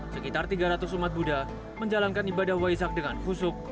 sekitar tiga ratus umat buddha menjalankan ibadah waisak dengan khusyuk